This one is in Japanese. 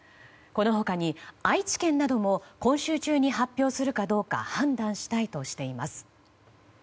この他に、愛知県なども今週中に発表するかどうか判断したいとしています。